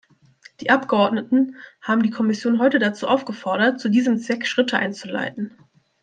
Die Abgeordneten haben die Kommission heute dazu aufgefordert, zu diesem Zweck Schritte einzuleiten.